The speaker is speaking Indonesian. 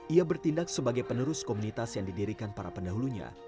ia bertindak sebagai penerus komunitas yang didirikan para pendahulunya